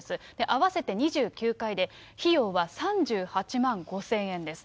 合わせて２９回で、費用は３８万５０００円です。